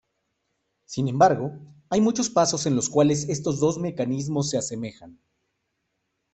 Sin embargo, hay muchos pasos en los cuales estos dos mecanismos se asemejan.